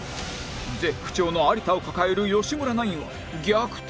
絶不調の有田を抱える吉村ナインは逆転なるか！？